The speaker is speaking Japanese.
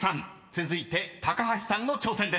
［続いて高橋さんの挑戦です］